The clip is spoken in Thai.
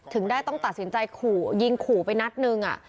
ถึงได้ต้องตัดสินใจขู่ยิงขู่ไปนัดหนึ่ง